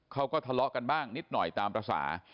เขาก็ทะเลาะกันบ้างนิดหน่อยตามภาษา